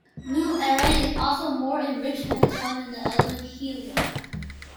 Mu Arae is also more enriched than the Sun in the element helium.